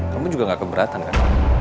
kamu juga gak keberatan kan